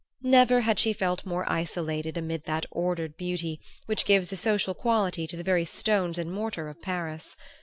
Never had she felt more isolated amid that ordered beauty which gives a social quality to the very stones and mortar of Paris.